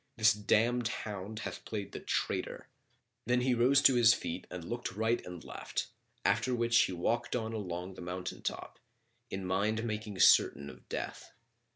This damned hound hath played the traitor." Then he rose to his feet and looked right and left, after which he walked on along the mountain top, in mind making certain of death.